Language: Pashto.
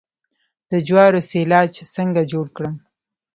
د جوارو سیلاج څنګه جوړ کړم؟